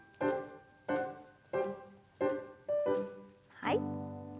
はい。